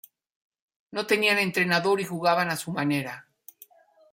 No tenían entrenador y jugaban a su manera.